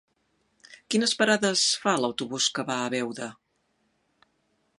Quines parades fa l'autobús que va a Beuda?